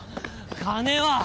金は？